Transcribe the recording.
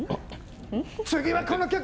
次はこの曲！